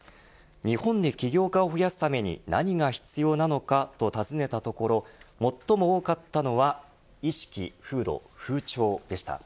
日本で起業家を増やすために何が必要なのかと尋ねたところ最も多かったのは意識、風土、風潮でした。